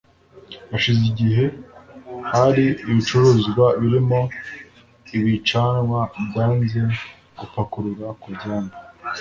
Hashize igihe hari ibicuruzwa birimo ibicanwa byanze gupakurura ku byambu